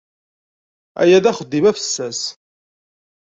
Aya d axeddim afessas.